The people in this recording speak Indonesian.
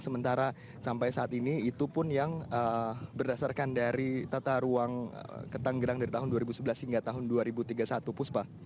sementara sampai saat ini itu pun yang berdasarkan dari tata ruang ke tanggerang dari tahun dua ribu sebelas hingga tahun dua ribu tiga puluh satu puspa